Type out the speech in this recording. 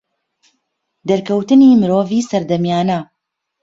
دەرکەوتنی مرۆڤی سەردەمیانە